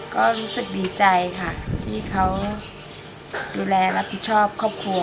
ก็รู้สึกดีใจค่ะที่เขาดูแลรับผิดชอบครอบครัว